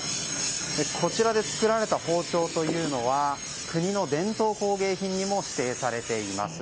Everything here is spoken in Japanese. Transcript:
こちらで作られた包丁というのは国の伝統工芸品にも指定されています。